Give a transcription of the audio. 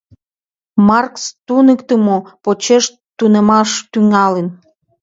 Маркс туныктымо почеш тунемаш тӱҥалын.